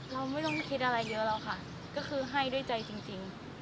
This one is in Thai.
เราไม่ต้องคิดอะไรเยอะแล้วค่ะก็คือให้ด้วยใจจริง